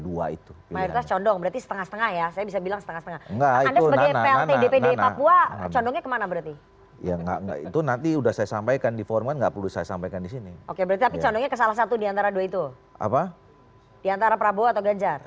di antara prabowo atau gajar